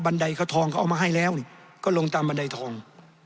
ไดเขาทองเขาเอามาให้แล้วก็ลงตามบันไดทอง